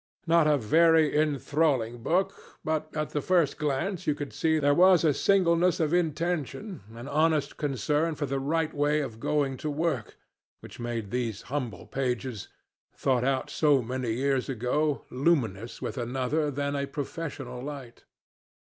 Not a very enthralling book; but at the first glance you could see there a singleness of intention, an honest concern for the right way of going to work, which made these humble pages, thought out so many years ago, luminous with another than a professional light.